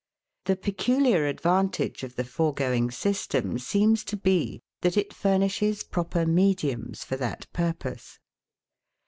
The peculiar advantage of the foregoing system seems to be, that it furnishes proper mediums for that purpose.